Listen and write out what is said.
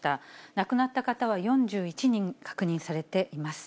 亡くなった方は４１人確認されています。